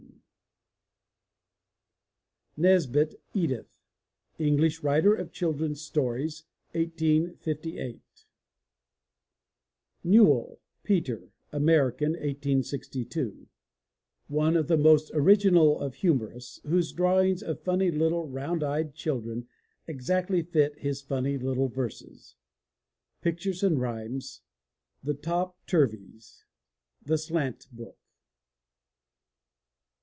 MY BOOK HOUSE NESBIT, EDITH (English writer of children's stories, 1858 ) NEWELL, PETER (American, 1862 ) One of the most original of humorists, whose drawings of funny little round eyed children exactly fit his funny little verses. Pictures and Rhymes. The Top Turveys. The Slant Book.